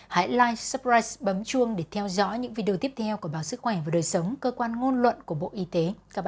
hãy live supprise bấm chuông để theo dõi những video tiếp theo của báo sức khỏe và đời sống cơ quan ngôn luận của bộ y tế